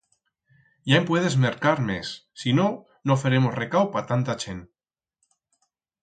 Ya en puedes mercar mes, si no, no feremos recau pa tanta chent.